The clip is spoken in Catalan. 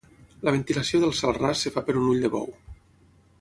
La ventilació del cel ras es fa per un ull de bou.